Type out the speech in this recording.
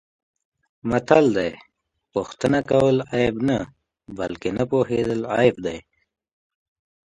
متل دی: پوښتنه کول عیب نه، بلکه نه پوهېدل عیب دی.